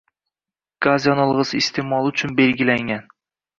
Gaz yonilgʻisi isteʼmoli uchun belgilangan.